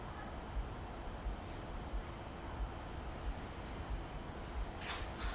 vâng thật là vui vẻ